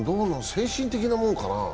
精神的なものかな？